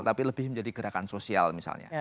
tapi lebih menjadi gerakan sosial misalnya